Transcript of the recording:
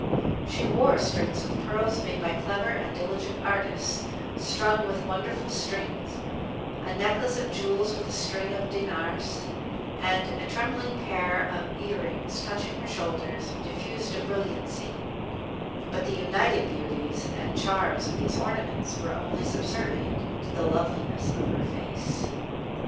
She wore strings of pearls made by clever and diligent artists, strung with wonderful strings, a necklace of jewels with a string of Dinaras, and a trembling pair of ear rings, touching her shoulders, diffused a brilliancy; but the united beauties and charms of these ornaments were only subservient to the loveliness of her face.